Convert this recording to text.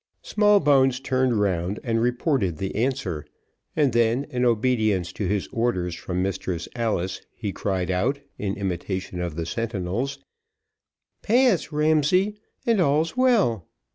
Smallbones turned round and reported the answer; and then, in obedience to his orders from Mistress Alice, he cried out, in imitation of the sentinels, "Pass, Ramsay, and all's well!"